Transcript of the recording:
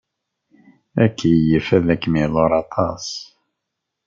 Akeyyef ad kem-iḍurr aṭas.